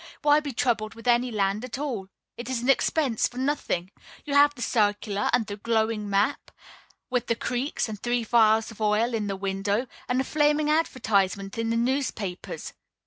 Why be troubled with any land at all? It is an expense for nothing. You have the circular, and the glowing map, with the creeks and three vials of oil in the window, and a flaming advertisement in the newspapers.